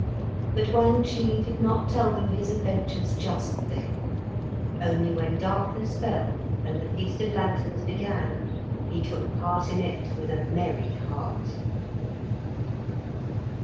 But Wang Chih did not tell them his adventures just then; only when darkness fell, and the Feast of Lanterns began, he took his part in it with a merry heart.